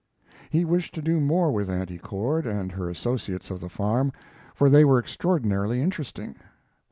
He wished to do more with Auntie Cord and her associates of the farm, for they were extraordinarily interesting.